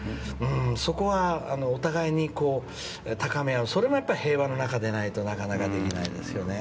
そこはお互いに高め合うそれも平和の中でないとなかなかできないですよね。